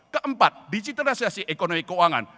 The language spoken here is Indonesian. keempat digitalisasi ekonomi keuangan